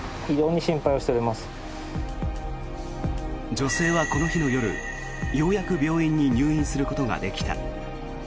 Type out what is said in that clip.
女性はこの日の夜ようやく病院に入院することができた。